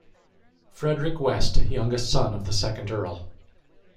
Frederick West, youngest son of the second Earl.